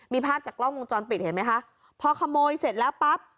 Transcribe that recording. มีภาพจากกล้องวงจรปิดเห็นไหมคะพอขโมยเสร็จแล้วปั๊บ